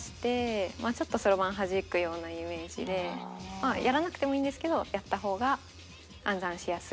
まあやらなくてもいいんですけどやった方が暗算しやすいっていう。